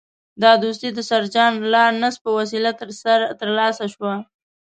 دا دوستي د سر جان لارنس په وسیله ترلاسه شوه.